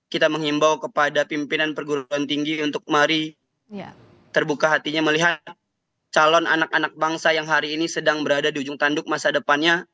kita mengimbau kepada pimpinan perguruan tinggi untuk mari terbuka hatinya melihat calon anak anak bangsa yang hari ini sedang berada di ujung tanduk masa depannya